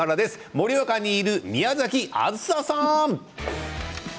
盛岡にいる宮崎あずささん。